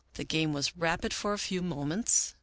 The game was rapid for a few moments.